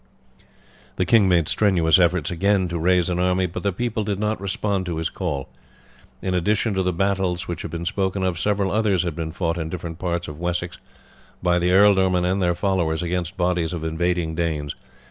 The king made strenuous efforts again to raise an army, but the people did not respond to his call. In addition to the battles which have been spoken of several others had been fought in different parts of Wessex by the ealdormen and their followers against bodies of invading Danes.